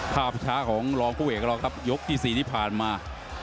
ค่าผิดภาคของรองผู้เอกรอกทรัพยกที่สี่ที่ผ่านมา